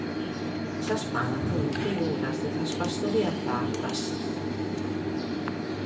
Sas Panas sunt figuras de sas paristòrias sardas.